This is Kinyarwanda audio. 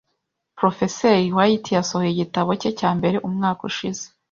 Porofeseri White yasohoye igitabo cye cya mbere umwaka ushize.